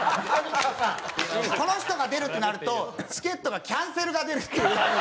この人が出るってなるとチケットがキャンセルが出るっていう。